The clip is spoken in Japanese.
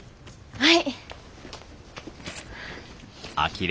はい。